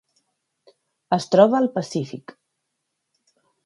Es troba al Pacífic.